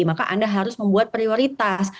maka anda harus membuat prioritas